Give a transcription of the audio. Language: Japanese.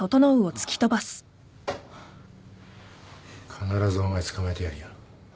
必ずお前捕まえてやるよ。